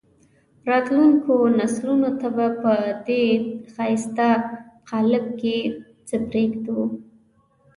راتلونکو نسلونو ته به په دې ښایسته قالب کې څه پرېږدو.